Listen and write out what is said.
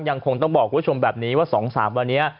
ยังคงต้องบอกคุณผู้ชมแบบนี้ว่า๒๓วันนี้